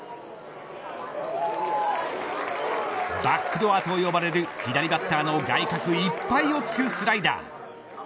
バックドアと呼ばれる左バッターの外角いっぱいをつくスライダー。